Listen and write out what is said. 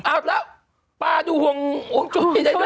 อ้าวแล้วป้าดูห่วงห่วงจบพี่ได้เลยเหรอ